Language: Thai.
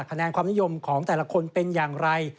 คะแนนความนิยมของแต่ละคนเป็นอย่างไร